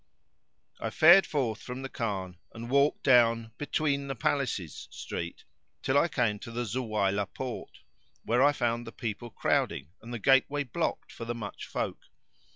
I fared forth from the Khan and walked down "Between the Palaces" street till I came to the Zuwaylah Porte, where I found the people crowding and the gateway blocked for the much folk.